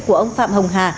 của ông phạm hồng hà